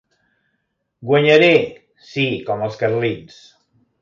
Guanyaré! —Sí, com els carlins.